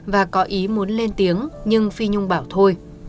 và có ý muốn lên tiếng nhưng phi nhung bảo thôi